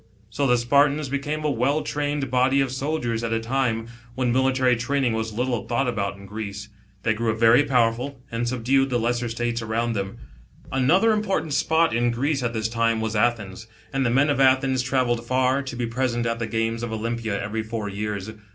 So the Spartans became a well trained body of soldiers at a time, when military training was little thought about in Greece. They grew very powerful, and subdued the lesser States around them. Another important spot in Greece at this time was Athens, and the men of Athens travelled far, to be present at the games of Olympia every four years.